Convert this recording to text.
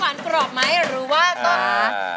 หวานกรอบไหมหวานกรอบไหม